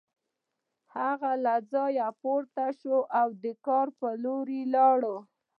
هغه له ځایه پورته شو او د کار په لور لاړ